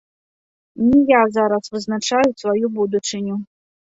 Не я зараз вызначаю сваю будучыню.